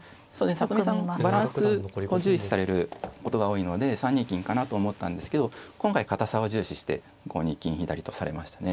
里見さんバランスを重視されることが多いので３二金かなと思ったんですけど今回堅さを重視して５二金左とされましたね。